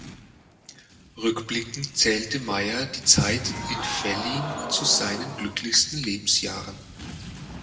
Rückblickend zählte Meyer die Zeit in Fellin zu seinen glücklichsten Lebensjahren.